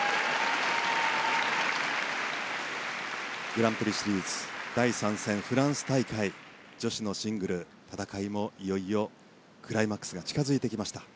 グランプリシリーズ第３戦フランス大会女子のシングルの戦いもいよいよクライマックスが近づいてきました。